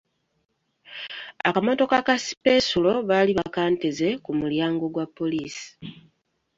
Akamotoka ka sipensulo baali bakanteze ku mulyango gwa poliisi.